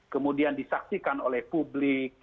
kemudian disaksikan oleh publik